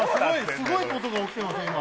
すごいことが起きてますね、今。